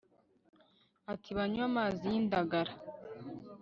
ati banywe amazi y'indagara